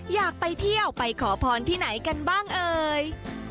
อยากไปเที่ยวไปขอพรที่ไหนกันบ้างเอ่ย